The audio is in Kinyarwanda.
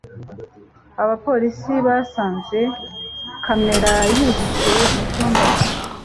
Abapolisi basanze kamera yihishe mu cyumba cya